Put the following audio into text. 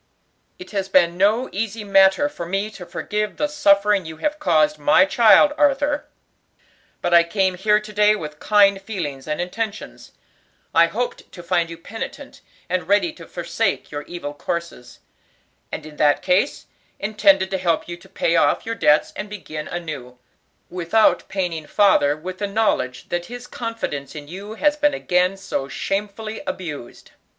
"It has been no easy matter for me to forgive the suffering you have caused my child, Arthur; but I came here to day with kind feelings and intentions. I hoped to find you penitent and ready to forsake your evil courses; and in that case, intended to help you to pay off your debts and begin anew, without paining father with the knowledge that his confidence in you has been again so shamefully abused.